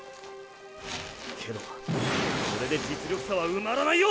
けどそれで実力差は埋まらないよ！